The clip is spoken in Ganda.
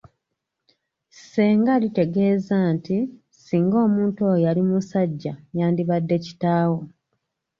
Ssenga litegeeza nti, singa omuntu oyo yali musajja yandibadde kitaawo.